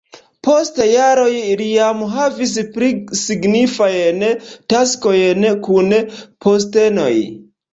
Post jaroj li jam havis pli signifajn taskojn kun postenoj.